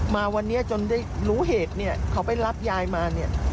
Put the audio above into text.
มาวันนี้จนได้รู้เหตุเขาไปรับยายมา